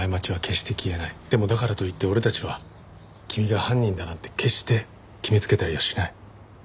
でもだからといって俺たちは君が犯人だなんて決して決めつけたりはしない。